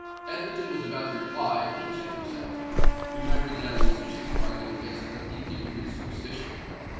Egerton was about to reply; but he checked himself—remembering that it was useless to argue against a deeply rooted superstition.